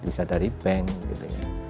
bisa dari bank gitu ya